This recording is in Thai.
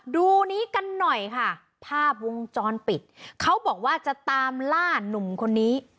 ดูนี้กันหน่อยค่ะภาพวงจรปิดเขาบอกว่าจะตามล่านุ่มคนนี้